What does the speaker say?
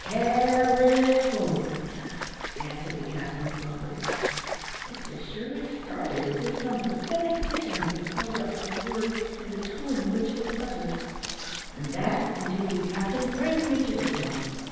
"California," answered the captain, slowly. Mr Shirley started, as if some prophetic vision had been called up by the word and the tone, in which it was uttered. "And that," continued the captain, "brings me to the point.